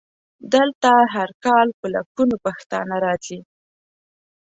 دلته هر کال په لکونو پښتانه راځي.